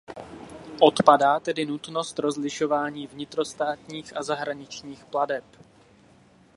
Odpadá tedy nutnost rozlišování vnitrostátních a zahraničních plateb.